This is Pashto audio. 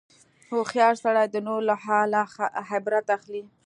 هوښیار سړی د نورو له حاله عبرت اخلي.